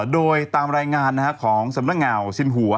โดยตามรายงานของสำนักงานสินหัว